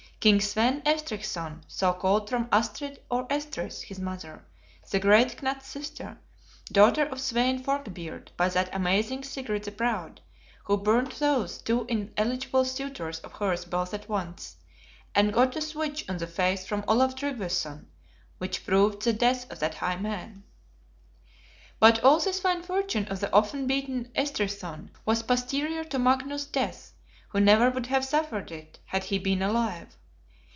King Svein Estrithson; so called from Astrid or Estrith, his mother, the great Knut's sister, daughter of Svein Forkbeard by that amazing Sigrid the Proud, who burnt those two ineligible suitors of hers both at once, and got a switch on the face from Olaf Tryggveson, which proved the death of that high man. But all this fine fortune of the often beaten Estrithson was posterior to Magnus's death; who never would have suffered it, had he been alive.